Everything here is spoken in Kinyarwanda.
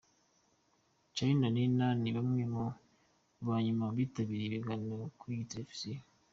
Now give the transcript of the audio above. Charly na Nina ni bamwe mu ba nyuma bitabiriye ibiganiro kuri iyi televiziyo.